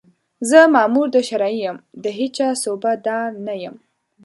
زه مامور د شرعي یم، د هېچا صوبه دار نه یم